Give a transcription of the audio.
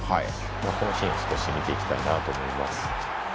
このシーンを見ていきたいなと思います。